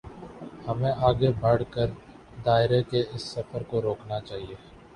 ہمیں آگے بڑھ کر دائرے کے اس سفر کو روکنا چاہیے۔